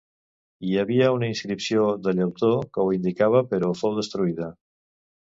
Hi havia una inscripció de llautó que ho indicava però fou destruïda.